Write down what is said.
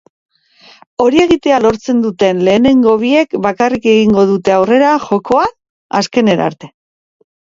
Hori egitea lortzen duten lehenengo biek bakarrik egingo dute aurrera jokoan azkenera arte.